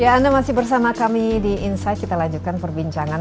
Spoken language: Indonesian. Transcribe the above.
ya anda masih bersama kami di insight kita lanjutkan perbincangan